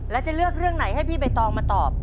แล้วจะเลือกเรื่องไหนให้พี่ใบตองมาตอบ